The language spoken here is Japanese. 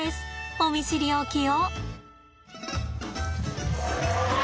お見知りおきを。